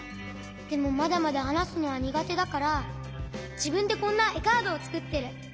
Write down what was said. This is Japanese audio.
でもまだまだはなすのはにがてだからじぶんでこんなえカードをつくってる。